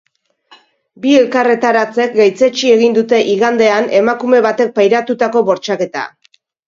Bi elkarretaratzek gaitzetsi egin dute igandean emakume batek pairatutako bortxaketa.